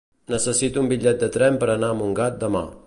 Necessito un bitllet de tren per anar a Montgat demà.